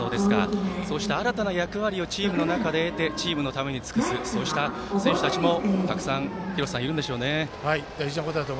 そうした新たな役割をチームの中で得てチームのために尽くすそうした選手たちもたくさんいるんでしょうね。